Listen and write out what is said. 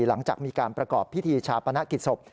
หลังจากมีการประกอบพิธีชาปนกิจศพ